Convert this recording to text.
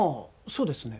そうですね